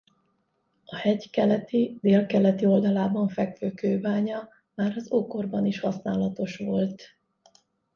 A hegy keleti-délkeleti oldalában fekvő kőbánya már az ókorban is használatos volt.